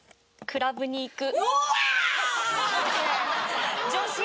クラブに行く！